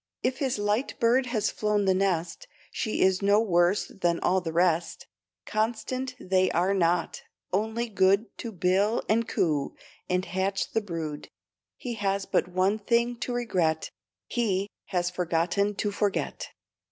If his light bird has flown the nest, She is no worse than all the rest; Constant they are not, only good To bill and coo, and hatch the brood. He has but one thing to regret, He has forgotten to forget.